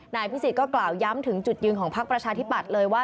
นายพิสิทธิก็กล่าวย้ำถึงจุดยืนของพักประชาธิปัตย์เลยว่า